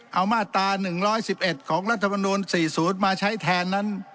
เอามาตรา๑๑๑ของรัฐมนูล๔๐มาใช้แทนนั้น